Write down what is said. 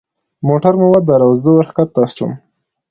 موټر مو ودراوه زه وركښته سوم.